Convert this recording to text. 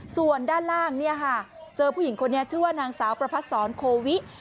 ส่วนด้านล่างเจอผู้หญิงคนนี้ชื่อว่านางสาวประพัดศรโควิ